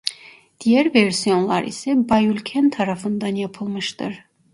Diğer versiyonlar ise Bayülken tarafından yapılmıştır.